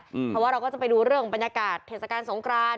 เพราะว่าเราก็จะไปดูเรื่องบรรยากาศเทศกาลสงคราน